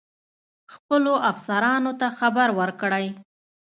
خپلو افسرانو ته خبر ورکړی.